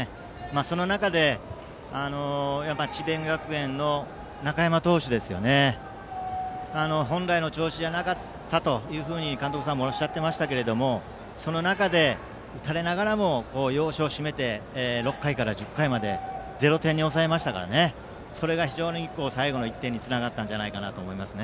その中で、智弁学園の中山投手は本来の調子じゃなかったと監督さんおっしゃっていましたがその中で、打たれながらも要所を締めて６回から１０回まで０点に抑えましたからそれが最後の１点につながったんじゃないかと思います。